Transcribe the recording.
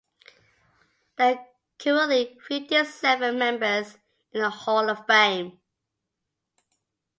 There are currently fifty-seven members in the Hall of Fame.